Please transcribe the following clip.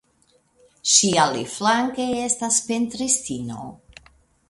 Ŝi aliflanke estas pentristino.